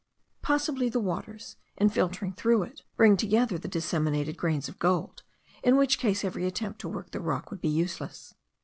Possibly the waters, in filtering through it, bring together the disseminated grains of gold; in which case every attempt to work the rock would be useless.